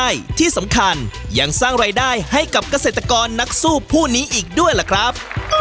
ที่สำคัญยังสร้างรายได้ให้กับเกษตรกรนักสู้ผู้นี้อีกด้วยล่ะครับ